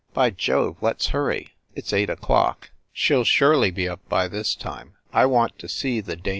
By Jove, let s hurry it s eight o clock. She ll surely be up by this time. I want to see the denouement